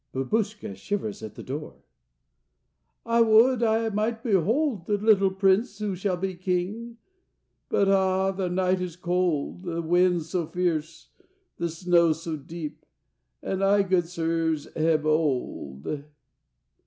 Babushka shivers at the door: "I would I might behold The little Prince who shall be King, But ah! the night is cold, The wind so fierce, the snow so deep, And I, good sirs, am old."